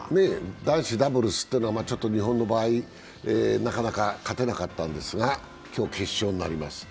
男子ダブルスというのは日本の場合、なかなか勝てなかったんですが今日決勝があります。